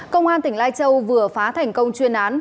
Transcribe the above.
công an tỉnh lai châu vừa phá thành công chuyên án